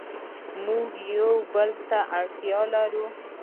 موږ یو بل ته اړتیا لرو.